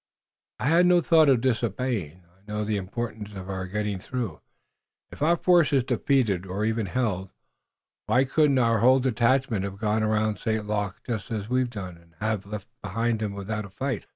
"I had no thought of disobeying. I know the importance of our getting through, if our force is defeated, or even held. Why couldn't our whole detachment have gone around St. Luc just as we've done, and have left him behind without a fight?"